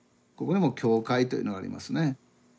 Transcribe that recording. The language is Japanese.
ここにも「きょうかい」というのがありますね。